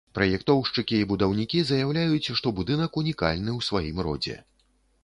Праектоўшчыкі і будаўнікі заяўляюць, што будынак унікальны ў сваім родзе.